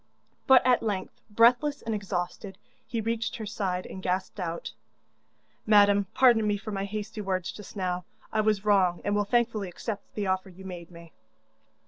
But at length, breathless and exhausted, he reached her side, and gasped out: 'Madam, pardon me for my hasty words just now; I was wrong, and will thankfully accept the offer you made me.